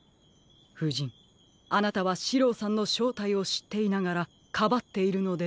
ふじんあなたはシローさんのしょうたいをしっていながらかばっているのでは？